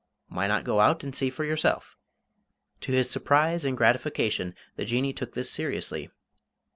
Why not go out and see for yourself?" To his surprise and gratification the Jinnee took this seriously.